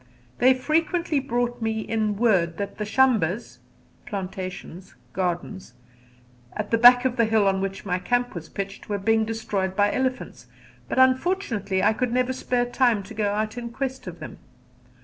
They frequently brought me in word that the shambas (plantations, gardens) at the back of the hill on which my camp was pitched were being destroyed by elephants, but unfortunately I could never spare time to go out in quest of them.